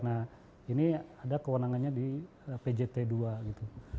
nah ini ada kewenangannya di pjt dua gitu